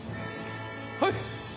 はい